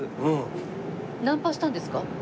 ナンパしたんですか？